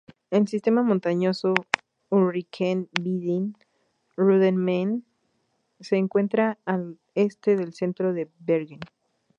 El sistema montañoso Ulriken-Vidden-Rundemanen se encuentra al este del centro de Bergen.